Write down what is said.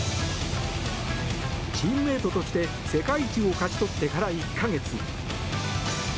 チームメートとして世界一を勝ち取ってから１か月。